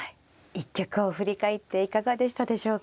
一局を振り返っていかがでしたでしょうか。